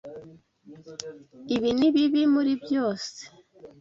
Ibi nibibi muri byose.